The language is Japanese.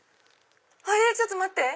あれ⁉ちょっと待って！